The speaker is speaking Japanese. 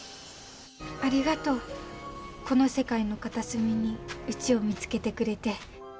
ありがとうこの世界の片隅にうちを見つけてくれて。